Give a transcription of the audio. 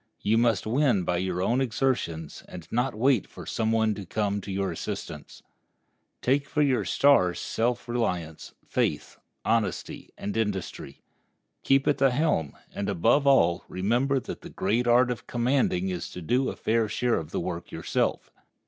You must win by your own exertions, and not wait for some one to come to your assistance. Take for your star self reliance, faith, honesty, and industry. Keep at the helm, and, above all, remember that the great art of commanding is to do a fair share of the work yourself.